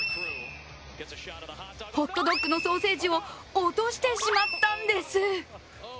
ホットドッグのソーセージを落としてしまったんです。